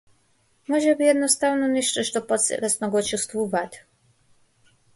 Можеби е едноставно нешто што потсвесно го чувствуваат.